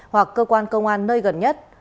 hoặc cơ quan công an nơi gần nhất